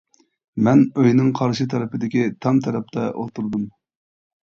مەن ئۆينىڭ قارشى تەرىپىدىكى تام تەرەپتە ئولتۇردۇم.